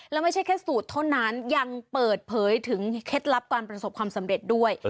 แล้วไม่ใช่แค่สูตรเท่านั้นยังเปิดเผยถึงเคล็ดลับการประสบความสำเร็จด้วย